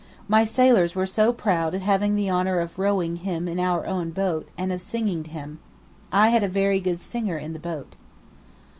My sailors were so proud at having the honour of rowing him in our own boat and of singing to him. I had a very good singer in the boat."